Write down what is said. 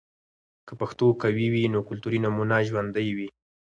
که پښتو قوي وي، نو کلتوري نمونه ژوندۍ وي.